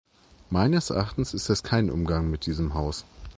Meines Erachtens ist das kein Umgang mit diesem Haus.